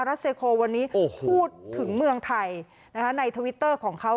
ัสเซโควันนี้พูดถึงเมืองไทยในทวิตเตอร์ของเขา